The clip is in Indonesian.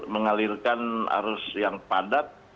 mengalirkan arus yang padat